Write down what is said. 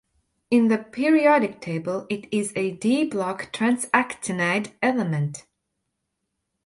In the periodic table, it is a d-block transactinide element.